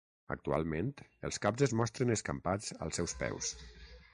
Actualment els caps es mostren escampats als seus peus.